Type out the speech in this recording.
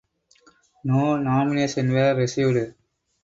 No nominations were received.